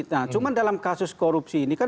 nah cuma dalam kasus korupsi ini kan